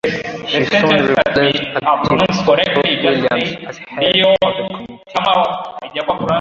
She soon replaced activist Ruth Williams as head of the committee.